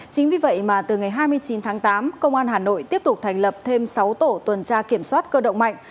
chính vì vậy mà từ ngày hai mươi chín tháng tám công an hà nội tiếp tục thành lập thêm sáu tổ tuần tra kiểm soát cơ động mạnh